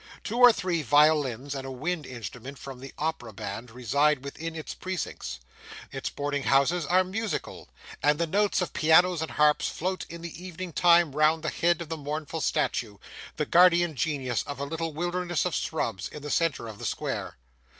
Two or three violins and a wind instrument from the Opera band reside within its precincts. Its boarding houses are musical, and the notes of pianos and harps float in the evening time round the head of the mournful statue, the guardian genius of a little wilderness of shrubs, in the centre of the square.